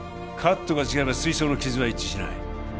カットが違えば水槽の傷は一致しない